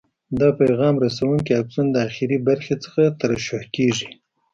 دا د پیغام رسونکي آکسون د اخري برخې څخه ترشح کېږي.